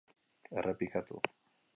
Errepikatu.